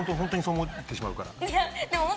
いや。